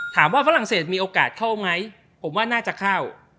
ฝรั่งเศสมีโอกาสเข้าไหมผมว่าน่าจะเข้า